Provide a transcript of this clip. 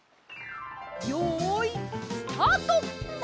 よいスタート！わ！